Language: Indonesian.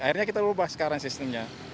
akhirnya kita ubah sekarang sistemnya